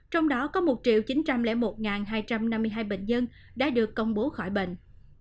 trong đó có một chín trăm linh một hai trăm năm mươi hai bệnh nhân đã được công bố khỏi bệnh